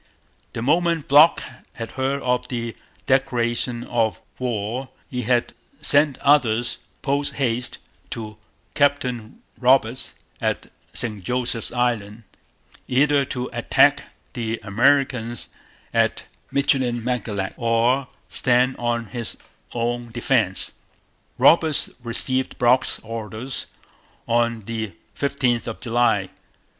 The moment Brock had heard of the declaration of war he had sent orders post haste to Captain Roberts at St Joseph's Island, either to attack the Americans at Michilimackinac or stand on his own defence. Roberts received Brock's orders on the 15th of July.